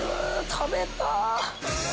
食べたぁ。